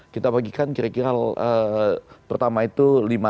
kita bagikan kira kira pertama itu lima